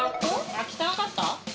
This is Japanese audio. あっ汚かった？